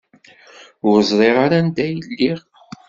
Ur ẓriɣ ara anda ay lliɣ.